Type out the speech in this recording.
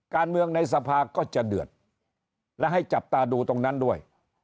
การเมืองในสภาก็จะเดือดและให้จับตาดูตรงนั้นด้วย